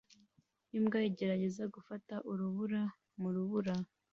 Imbwa igerageza gufata urubura mu rubura